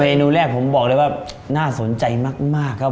นูแรกผมบอกเลยว่าน่าสนใจมากครับ